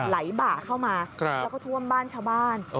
บ่าเข้ามาแล้วก็ท่วมบ้านชาวบ้าน